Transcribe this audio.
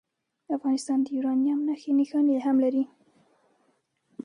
افغانستان د یورانیم نښې نښانې هم لري.